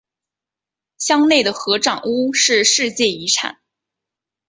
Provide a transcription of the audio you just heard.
乡内的合掌屋是世界遗产。